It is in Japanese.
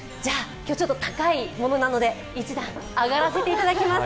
今日、ちょっと高いものなので、１段、上がらせていただきます。